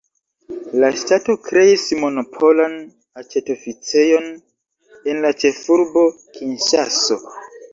La ŝtato kreis monopolan aĉetoficejon en la ĉefurbo Kinŝaso.